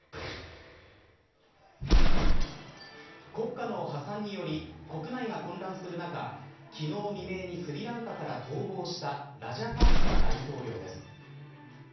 今回の破産により国内が混乱する中昨日未明にスリランカから逃亡したラジャパクサ大統領です。